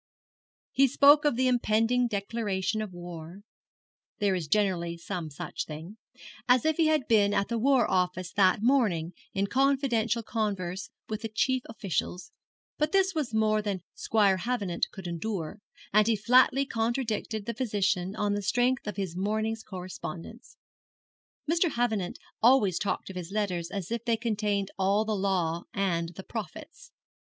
He spoke of the impending declaration of war there is generally some such thing as if he had been at the War Office that morning in confidential converse with the chief officials; but this was more than Squire Havenant could endure, and he flatly contradicted the physician on the strength of his morning's correspondence. Mr. Havenant always talked of his letters as if they contained all the law and the prophets.